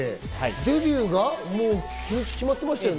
デビューがもう日にちが決まってましたね。